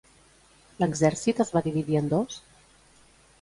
L'exèrcit es va dividir en dos?